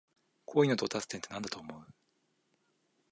恋の到達点ってなんだと思う？